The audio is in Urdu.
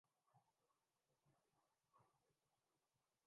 صورتحال کے متعلق غلط رائے قائم کرتا ہوں